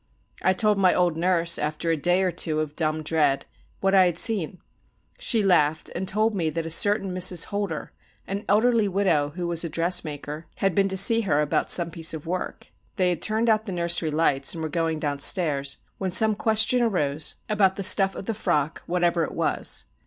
I told my old nurse, after a day or two of dumb dread, what I had seen. She laughed, and told me that a certain Mrs. Holder, an elderly widow who was a dressmaker, had been to see her, about some piece of work. They had turned out the nursery lights and were going downstairs, when some question arose about the stuff of the frock, whatever it was.